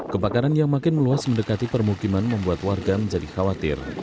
kebakaran yang makin meluas mendekati permukiman membuat warga menjadi khawatir